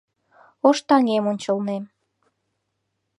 Ош таҥем ончылнем